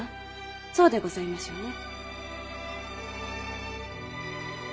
そうでございますよね。